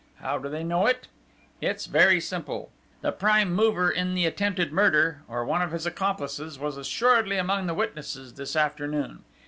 How do they know it? It's very simple. The prime mover in the attempted murder, or one of his accomplices, was assuredly among the witnesses this afternoon.